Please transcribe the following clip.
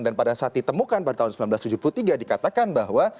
dan pada saat ditemukan pada tahun seribu sembilan ratus tujuh puluh tiga dikatakan bahwa